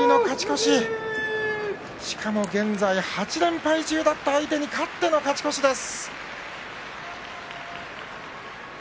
しかも現在８連敗中だった相手に勝っての勝ち越しです。